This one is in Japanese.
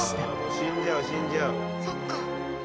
そっか。